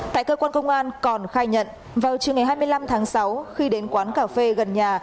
tại cơ quan công an còn khai nhận vào trường ngày hai mươi năm tháng sáu khi đến quán cà phê gần nhà